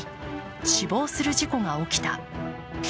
死亡する事故が起きた。